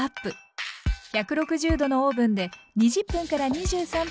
１６０℃のオーブンで２０分から２３分間焼きましょう。